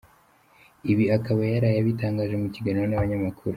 Ibi akaba yaraye abitangaje mu kiganiro nabanyamakuru.